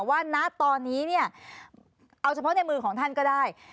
ณตอนนี้เนี่ยเอาเฉพาะในมือของท่านก็ได้